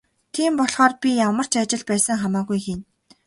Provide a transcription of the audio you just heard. Тийм болохоор би ямар ч ажил байсан хамаагүй хийнэ.